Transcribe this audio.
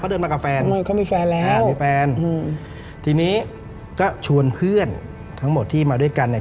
เดินมากับแฟนมวยเขามีแฟนแล้วมีแฟนอืมทีนี้ก็ชวนเพื่อนทั้งหมดที่มาด้วยกันเนี่ย